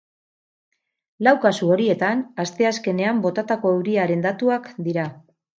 Lau kasu horietan, asteazkenean botatako euriaren datuak dira.